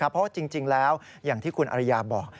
เพราะว่าจริงแล้วอย่างที่คุณอริยาบอก